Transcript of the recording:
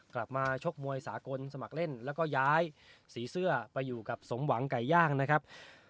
ชกมวยสากลสมัครเล่นแล้วก็ย้ายสีเสื้อไปอยู่กับสมหวังไก่ย่างนะครับ